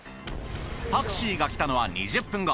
タクシーが来たのは２０分後。